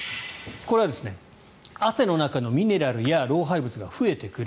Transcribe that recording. これは汗の中のミネラルや老廃物が増えてくる。